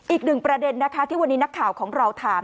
อีกหนึ่งประเด็นนะคะที่วันนี้นักข่าวของเราถาม